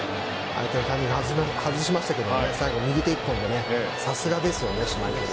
相手のタイミングを外しましたが最後、右手１本でさすがですよね、シュマイケル。